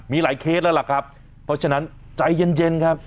มีหลายเคสแล้วล่ะครับเพราะฉะนั้นใจเย็นครับ